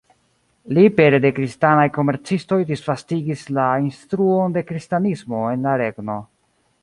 Li pere de kristanaj komercistoj disvastigis la instruon de kristanismo en la regno.